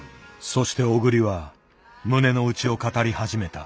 そして小栗は胸の内を語り始めた。